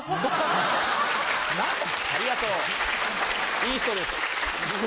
いい人です。